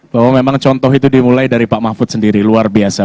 bahwa memang contoh itu dimulai dari pak mahfud sendiri luar biasa